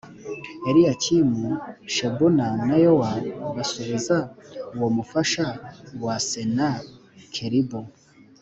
Eliyakimu, Shebuna, na Yowa basubiza uwo mufasha wa Senakeribu,